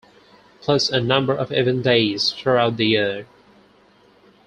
Plus a number of event days throughout the year.